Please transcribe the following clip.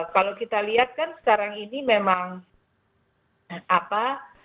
kalau kita lihat kan sekarang ini memang apa